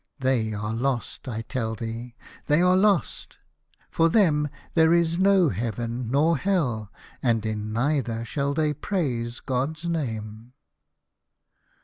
They are lost, I tell thee, they are lost. For them there is no heaven nor hell, and in neither shall they praise God's name."